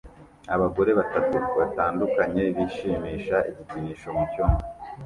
Abagore batatu batandukanye bishimisha igikinisho mucyumba